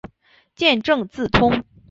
见正字通。